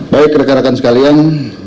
baik rekan rekan sekalian